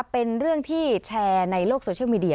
เป็นเรื่องที่แชร์ในโลกโซเชียลมีเดีย